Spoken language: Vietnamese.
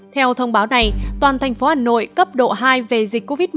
theo thông báo này toàn tp hà nội cấp độ hai về dịch covid một mươi chín